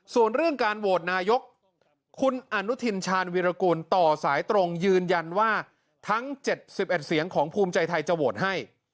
ส่วนเรื่องการโหวตนายกคุณอนุทินชาญวิรากูลต่อสายตรงยืนยันว่าทั้ง๗๑เสียงของภูมิใจไทยจะโหวตให้